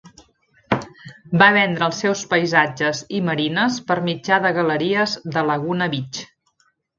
Va vendre els seus paisatges i marines per mitjà de galeries de Laguna Beach.